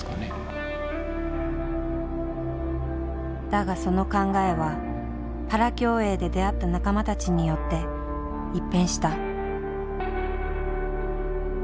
だがその考えはパラ競泳で出会った仲間たちによって一変した。